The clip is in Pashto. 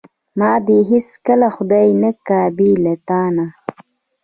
ما دې هیڅکله خدای نه کا بې له تانه.